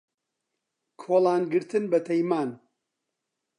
کۆڵان گرتن بە تەیمان